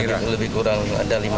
kira kira lebih kurang ada lima kali